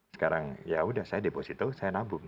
sekarang ya sudah saya deposito saya nabung